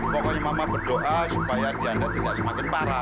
pokoknya mama berdoa supaya dianggap tidak semakin parah